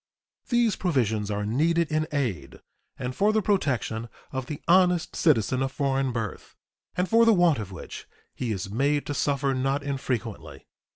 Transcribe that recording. These provisions are needed in aid and for the protection of the honest citizen of foreign birth, and for the want of which he is made to suffer not infrequently.